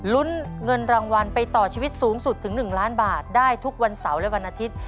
ลุ้นเงินรางวัลไปต่อชีวิตสูงสุดถึง๑ล้านบาทได้ทุกวันเสาร์และวันอาทิตย์